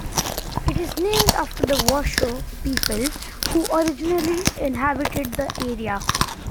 It is named after the Washoe people who originally inhabited the area.